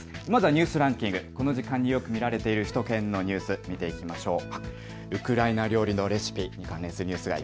ニュースランキング、この時間によく見られている首都圏のニュース、見ていきましょう。